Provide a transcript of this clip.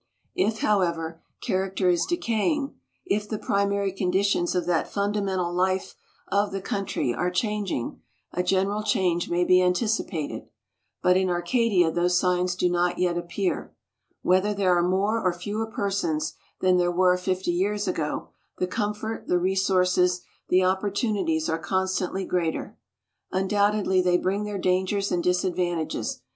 If, however, character is decaying, if the primary conditions of that fundamental life of the country are changing, a general change may be anticipated. But in Arcadia those signs do not yet appear. Whether there are more or fewer persons than there were fifty years ago, the comfort, the resources, the opportunities are constantly greater. Undoubtedly they bring their dangers and disadvantages.